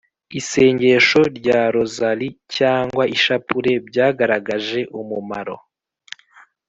isengesho rya rozali cyangwa ishapule byagaragaje umumaro